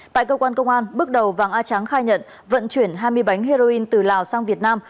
tại cơ quan công an bước đầu vàng a tráng khai nhận vận chuyển hai mươi bánh heroin từ lào sang việt nam